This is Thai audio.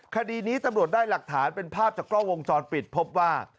คดีนี้ตำรวจได้หลักฐานเป็นภาพจากกล้องวงจรปิดพบว่า